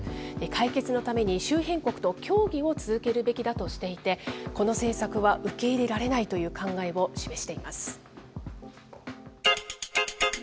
解決のために周辺国と協議を続けるべきだとしていて、この政策は受け入れられないという考えを示しています。